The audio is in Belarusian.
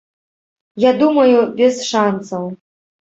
Я думаю, без шанцаў.